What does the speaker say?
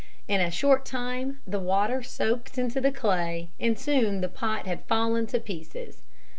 In a short time the water soaked into the clay and soon the pot had fallen to pieces.